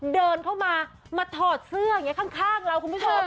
เดินเข้ามามาถอดเสื้ออย่างนี้ข้างเราคุณผู้ชม